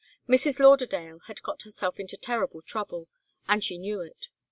Mrs. Lauderdale had got herself into terrible trouble, and she knew it.